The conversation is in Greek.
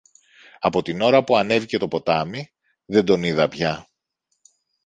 Από την ώρα που ανέβηκε το ποτάμι, δεν τον είδα πια.